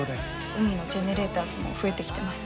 海のジェネレーターズも増えてきてます。